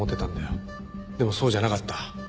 でもそうじゃなかった。